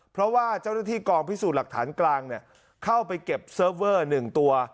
เพราะว่าเจ้าหน้าที่กองพิสูจน์หลักฐานกลางเข้าไปเก็บเซิร์ฟเวอร์๑ตัว